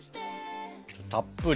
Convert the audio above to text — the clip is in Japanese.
たっぷり。